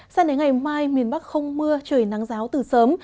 sang đến ngày mai miền bắc không mưa trời nắng giáo từ sớm